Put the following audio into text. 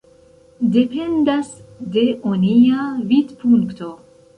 Dependas de onia vidpunkto.